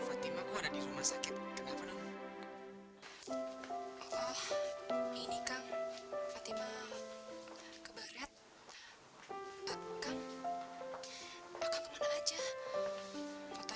hai aku harus cepat sampai di sana